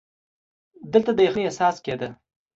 دلته د یخنۍ احساس کېده.